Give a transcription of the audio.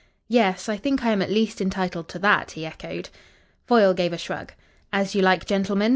"Yes, I think I am at least entitled to that," he echoed. Foyle gave a shrug. "As you like, gentlemen.